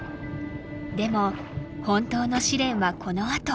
でも本当の試練はこのあと。